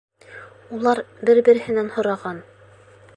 Улар бер-береһенән һораған: